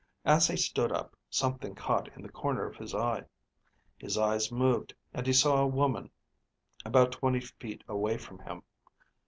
As he stood up, something caught in the corner of his eye. His eyes moved, and he saw a woman about twenty feet away from him.